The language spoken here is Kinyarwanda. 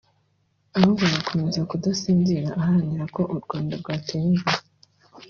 ahubwo agakomeza kudasinzira aharanira ko u Rwanda rwatera imbere